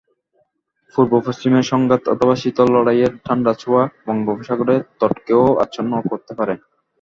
পূর্ব-পশ্চিমের সংঘাত অথবা শীতল লড়াইয়ের ঠান্ডা ছোঁয়া বঙ্গোপসাগরের তটকেও আচ্ছন্ন করতে পারে।